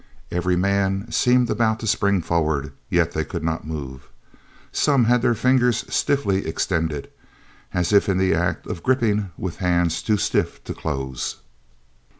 Every man seemed about to spring forward, yet they could not move. Some had their fingers stiffly extended, as if in the act of gripping with hands too stiff to close.